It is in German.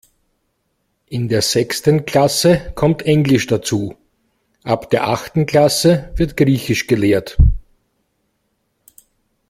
In der sechsten Klasse kommt Englisch dazu, ab der achten Klasse wird Griechisch gelehrt.